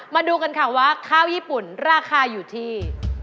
มาดูกันค่ะว่าข้าวญี่ปุ่นราคาอยู่ที่